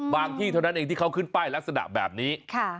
ที่เท่านั้นเองที่เขาขึ้นป้ายลักษณะแบบนี้